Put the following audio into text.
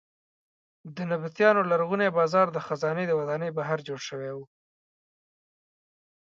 د نبطیانو لرغونی بازار د خزانې د ودانۍ بهر جوړ شوی و.